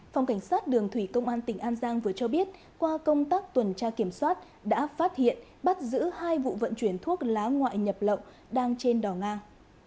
phòng cảnh sát đường thủy công an tỉnh an giang vừa cho biết qua công tác tuần tra kiểm soát đã phát hiện bắt giữ hai vụ vận chuyển thuốc lá ngoại nhập lậu đang trên đò ngang